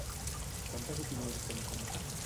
Quantes opinions té en compte?